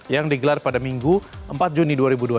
yang digelar pada minggu empat juni dua ribu dua puluh